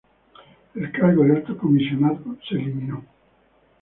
El cargo de alto comisionado se eliminó.